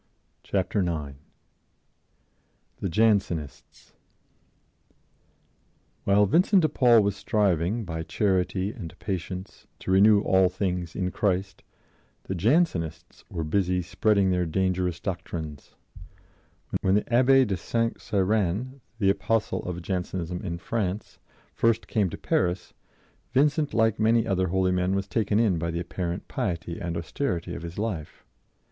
Chapter 9 THE JANSENISTS WHILE Vincent de Paul was striving, by charity and patience, to renew all things in Christ, the Jansenists* were busy spreading their dangerous doctrines. When the Abbé de St. Cyran, the apostle of Jansenism in France, first came to Paris, Vincent, like many other holy men, was taken in by the apparent piety and austerity of his life.